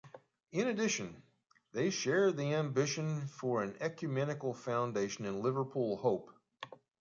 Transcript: In addition, they shared the ambition for an ecumenical foundation in Liverpool Hope.